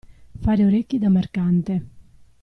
Fare orecchi da mercante.